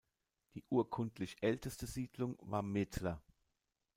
Die urkundlich älteste Siedlung war Methler.